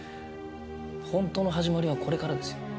ほんとの始まりはこれからですよ。